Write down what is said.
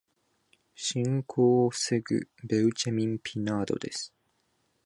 侵入を防ぐベウチェミン・ピナードです。